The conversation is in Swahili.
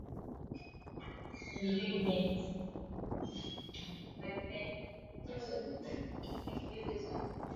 wa Kyiv kwa mara ya kwanza Jumapili baada ya muda wa wiki tatu